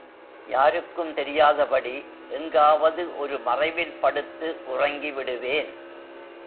யாருக்கும் தெரியாதபடி எங்காவது ஒரு மறைவில் படுத்து உறங்கிவிடுவேன்.